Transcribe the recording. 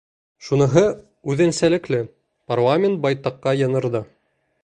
Шуныһы үҙенсәлекле: парламент байтаҡҡа яңырҙы.